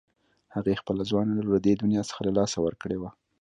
هغې خپله ځوانه لور له دې دنيا څخه له لاسه ورکړې وه.